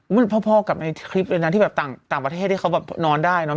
เหมือนพ่อกับในคลิปเลยนะที่แบบต่างประเทศให้เขานอนได้เนาะ